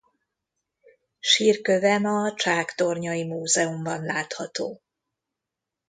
Sírköve ma a csáktornyai múzeumban látható.